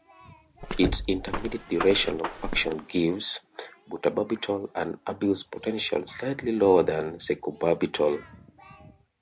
Its intermediate duration of action gives butabarbital an abuse potential slightly lower than secobarbital.